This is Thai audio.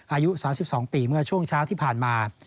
อายุ๓๒ปีเมื่อช่วงเช้าที่ผ่านมา